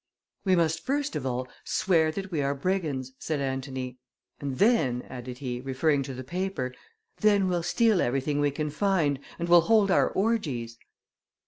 "We must first of all swear that we are brigands," said Antony, "and then," added he, referring to the paper, "then we'll steal everything we can find, and we'll hold our orgies."